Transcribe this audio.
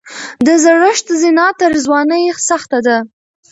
د زړښت زینه تر ځوانۍ سخته ده.